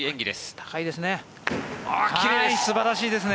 高いですね。